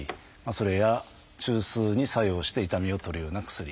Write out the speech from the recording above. それや中枢に作用して痛みを取るような薬。